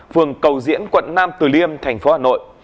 phường cầu diễn quận nam từ liêm tp hà nội